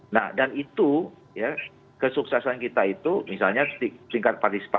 nah dan itu kesuksesan kita itu misalnya singkat partisipasi